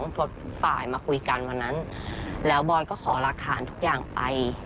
ทุกฝ่ายมาคุยกันวันนั้นแล้วบอยก็ขอหลักฐานทุกอย่างไป